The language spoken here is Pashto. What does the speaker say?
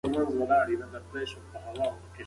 هغې هره ورځ پاکوالی مراعت کړی.